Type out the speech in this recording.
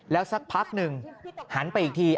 แล้วสักพักหนึ่งหันไปอีกที